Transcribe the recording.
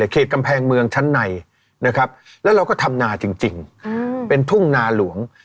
เขตกำแพงเมืองชั้นในนะครับแล้วเราก็ทำนาจริงเป็นทุ่งนาหลวง